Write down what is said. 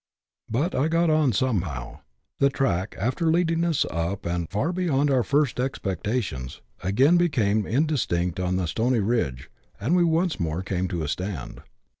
But I got on somehow ; the track, after leading us up and up far beyond our first expectations, again became indistinct on a stony ridge, and we once more came to a stand.